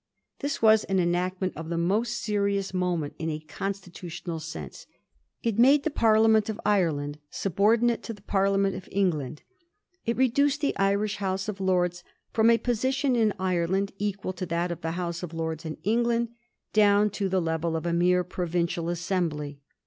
This was an enact ment of the most serious moment in a constitutional sense. It made the Parliament of Ireland subordinate to the Parliament of England ; it reduced the Irish House of Lords from a position in Ireland equal to that of the House of Lords in England, down to the level of a mere provincial assembly.